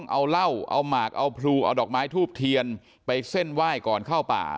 เอาเหล้าเอาหมากเอาพลูเอาดอกไม้ทูบเทียนไปเส้นไหว้ก่อนเข้าป่า